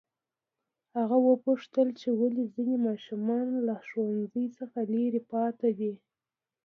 هغه وپوښتل چې ولې ځینې ماشومان له ښوونځي څخه لرې پاتې دي.